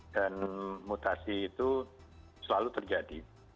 dan mutasi itu selalu terjadi